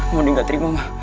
mondi gak terima ma